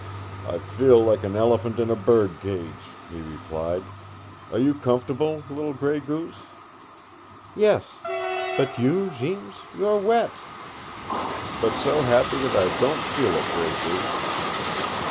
"I feel like an elephant in a birdcage," he replied. "Are you comfortable, little Gray Goose?" "Yes. But you, Jeems? You are wet!" "But so happy that I don't feel it, Gray Goose."